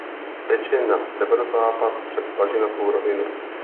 Teče na severozápad přes bažinatou rovinu.